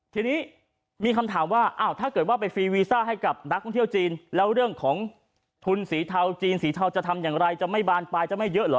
ทีนี้มีคำถามว่าอ้าวถ้าเกิดว่าไปฟรีวีซ่าให้กับนักท่องเที่ยวจีนแล้วเรื่องของทุนสีเทาจีนสีเทาจะทำอย่างไรจะไม่บานปลายจะไม่เยอะเหรอ